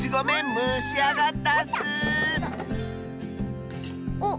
むしあがったッスおっ。